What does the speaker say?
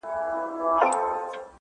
o که پتنګ یې معسوقه شمع شیدا وي,